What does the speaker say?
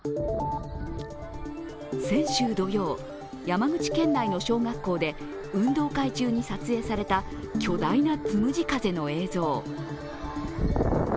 先週土曜、山口県内の小学校で運動会中に撮影された巨大なつむじ風の映像。